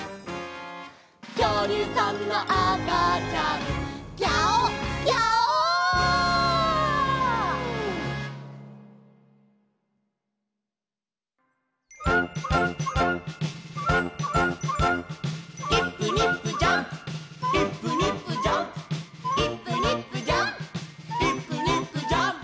「きょうりゅうさんのあかちゃんギャオギャオ」「イップニップジャンプイップニップジャンプ」「イップニップジャンプイップニップジャンプ」